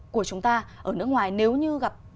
của chúng ta ở nước ngoài nếu như gặp